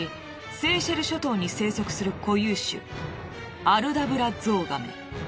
セーシェル諸島に生息する固有種アルダブラゾウガメ。